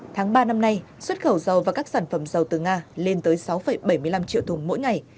tháng ba năm nay xuất khẩu dầu và các sản phẩm dầu từ nga lên tới sáu bảy mươi năm triệu thùng mỗi ngày